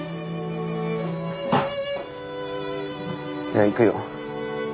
じゃあ行くよ。